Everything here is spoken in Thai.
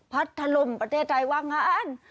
พัดทะลมประเทศไทยว่างอาจ